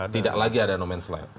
tidak lagi ada nomenseland